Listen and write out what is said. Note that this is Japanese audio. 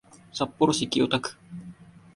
札幌市清田区